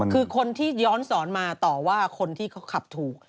คือคนที่ย้อนสอนมาต่อว่าคนที่เขาขับถูก